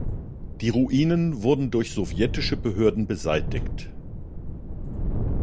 Die Ruinen wurden durch sowjetische Behörden beseitigt.